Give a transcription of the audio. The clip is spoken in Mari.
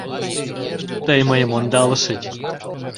— Тый мыйым ондалышыч.